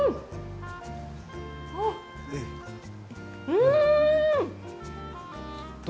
うん！